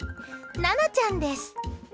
奈々ちゃんです。